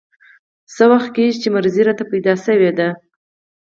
څه وخت کېږي چې ناروغي راته پیدا شوې ده.